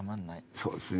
そうですね